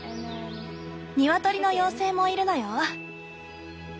ニワトリの妖精もいるのよ。